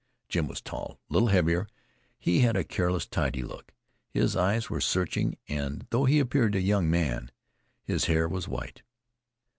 Jim was tall, a little heavier; he had a careless, tidy look; his eyes were searching, and though he appeared a young man, his hair was white.